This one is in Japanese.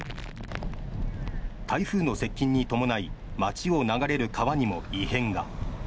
台風の接近に伴い町を流れる川にも異変が。